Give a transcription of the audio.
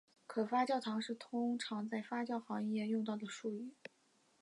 可发酵糖是通常在发酵行业用到的术语。